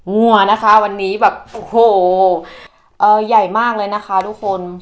วัวนะคะวันนี้แบบโอ้โหใหญ่มากเลยนะคะทุกคน